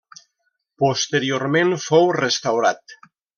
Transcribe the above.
Posteriorment fou restaurat.